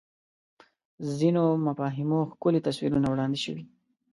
ځینو مفاهیمو ښکلي تصویرونه وړاندې شوي